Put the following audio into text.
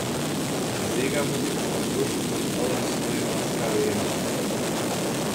Die Sega-Musik stammt ursprünglich aus den Maskarenen.